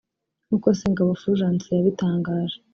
nk’uko Sengabo Furgence yabitangaje